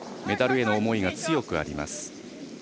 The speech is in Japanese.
メダルへの思いが強くあります。